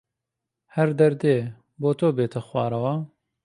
هەر دەردێ بۆ تۆ بێتە خوارەوە